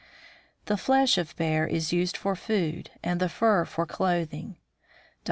The flesh of the bear is used for food, and the fur for clothing. Dr.